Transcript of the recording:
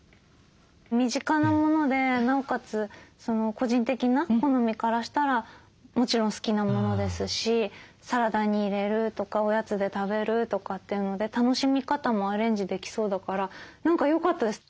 身近なものでなおかつ個人的な好みからしたらもちろん好きなものですしサラダに入れるとかおやつで食べるとかっていうので楽しみ方もアレンジできそうだから何かよかったです。